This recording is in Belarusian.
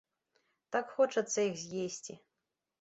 Так хочацца іх з'есці.